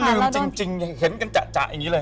หรือลืมจริงยังเห็นกันจ๊ะอย่างนี้เลย